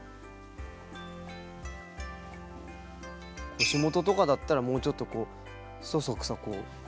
腰元とかだったらもうちょっとこうそそくさこう。